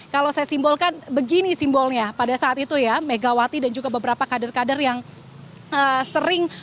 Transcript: kalau saya simbolkan begini simbolnya pada saat itu ya megawati dan juga beberapa kader kader yang sering